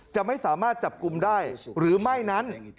จะไม่สามารถจับกลุ่มได้หรือไม่นั้น